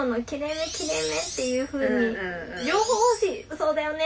そうだよね。